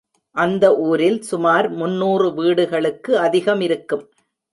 அந்த ஊரில் சுமார் முன்னூறு வீடுகளுக்கு அதிகமிருக்கும்.